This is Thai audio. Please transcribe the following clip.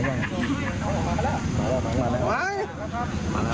มาแล้วมาแล้ว